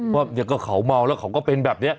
ว่าเขาเมาแล้วเขาก็เป็นแบบนี้